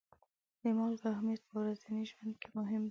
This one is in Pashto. د مالګو اهمیت په ورځني ژوند کې مهم دی.